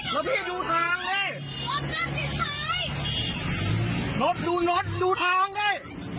พี่พี่ดูทางเลยรถดูรถดูทางเลย